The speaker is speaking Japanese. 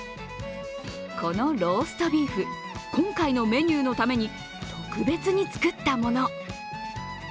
このローストビーフ、今回のメニューのために特別に作ったもの。